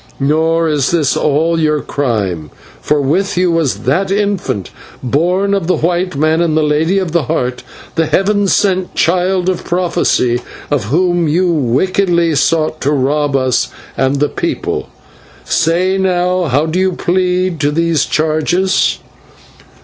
Nor is this all your crime, for with you was that infant, born of the white man and the Lady of the Heart, the Heaven sent Child of prophecy, of whom you wickedly sought to rob us and the people. Say, now, how do you plead to these charges?"